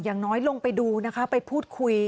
อย่างน้อยลงไปดูนะคะไปพูดคุย